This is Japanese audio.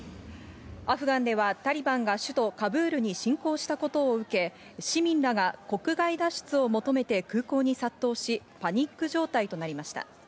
アフガンではタリバンが首都カブールに侵攻したことを受け、市民らが国外脱出を求めて空港に殺到しパニック状態となりました。